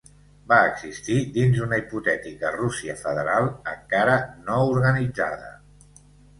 Va existir dins d'una hipotètica Rússia federal encara no organitzada.